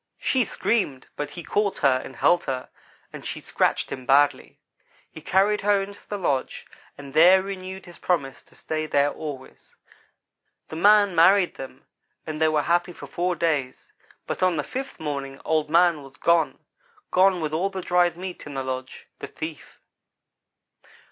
She screamed, but he caught her and held her, although she scratched him badly. He carried her into the lodge and there renewed his promise to stay there always. The man married them, and they were happy for four days, but on the fifth morning Old man was gone gone with all the dried meat in the lodge the thief.